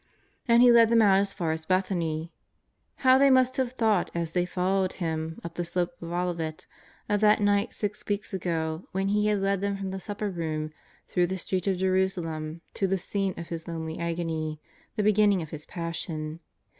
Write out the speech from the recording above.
And He led them out as far as Bethania. How they must have thought as they followed Him up the slope of Olivet, of that night six weeks ago when He had led them from the Supper Room through the streets of Jerusalem to the scene of His lonely Agony, the beginning of His Passion.